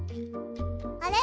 あれ？